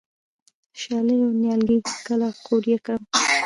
د شالیو نیالګي کله قوریه کړم؟